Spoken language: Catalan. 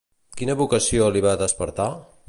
Quina vocació li va despertar?